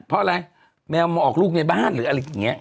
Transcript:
เพราะอะไรแมวมาออกลูกในบ้านหรืออะไรอย่างนี้